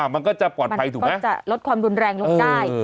มันก็จะปลอดภัยถูกไหมจะลดความรุนแรงลงได้